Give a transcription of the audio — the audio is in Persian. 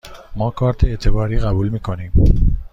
ما کارت اعتباری قبول می کنیم.